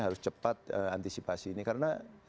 harus cepat antisipasi ini karena